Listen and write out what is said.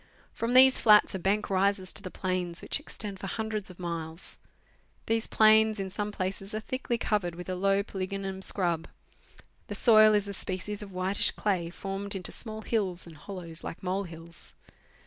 From these flats a bank rises to the plains, which extend for hundreds of miles. These plains, in some places, are thickly covered with a low polygonum scrub ; the soil is a species of whitish clay, formed into small hills and hollows like mole hills.